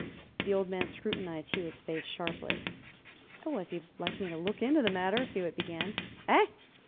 The old man scrutinized Hewitt's face sharply. "If you'd like me to look into the matter " Hewitt began. "Eh?